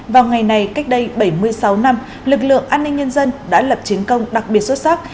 vào ngày này cách đây bảy mươi sáu năm lực lượng an ninh nhân dân đã lập chiến công đặc biệt xuất sắc